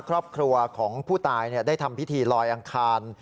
ครอบครัวของผู้ตายได้ทำพิธีลอยอังคาร